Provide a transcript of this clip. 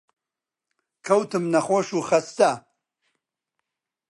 کەوتم نەخۆش و خەستە